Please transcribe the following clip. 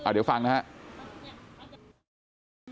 เดี๋ยวฟังนะครับ